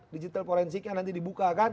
digital forensiknya nanti dibuka kan